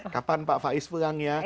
kapan pak faiz pulang ya